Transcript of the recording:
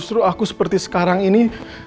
justru aku seperti sekarang ini